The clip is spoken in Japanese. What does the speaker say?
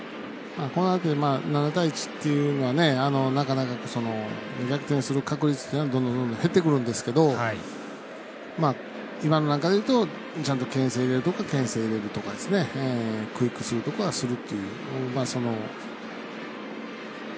７対１っていうのはなかなか逆転する確率というのはどんどん減ってくるんですけど今のなんかで言うとちゃんとけん制入れるところはけん制入れるとかクイックするところはする。